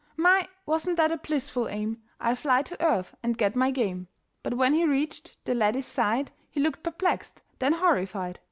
"My! wasn't that a blissful aim. I'll fly to earth and get my game." But when he reached that laddie's side He looked perplexed, then horrified.